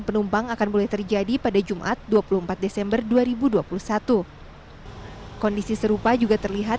penumpang akan boleh terjadi pada jumat dua puluh empat desember dua ribu dua puluh satu kondisi serupa juga terlihat